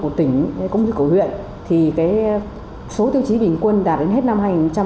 của tỉnh cũng như của huyện thì số tiêu chí bình quân đạt đến hết năm hai nghìn một mươi tám